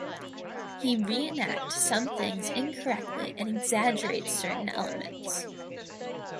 He reenact some things incorrectly and exaggerates certain elements.